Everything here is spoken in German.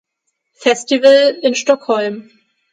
Festival in Stockholm.